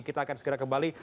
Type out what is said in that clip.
kita akan segera kembali